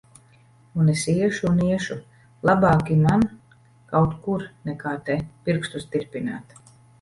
Un es iešu un iešu! Labāki man kaut kur, nekā te, pirkstus tirpināt.